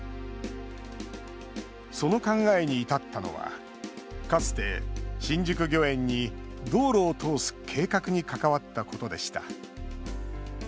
その考えに至ったのはかつて新宿御苑に道路を通す計画に関わったことでした。